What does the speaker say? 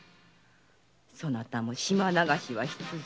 そなたも島流しは必定。